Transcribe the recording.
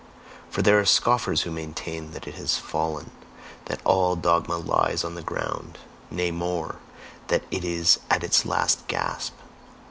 For there are scoffers who maintain that it has fallen, that all dogma lies on the ground nay more, that it is at its last gasp.